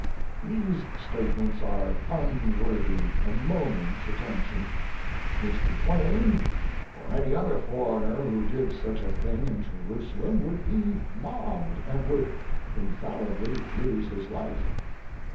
These statements are unworthy a moment s at tention. Mr. Twain or any other foreigner who did such a thing in Jerusa lem would be mobbed, and would infalli bly lose his life.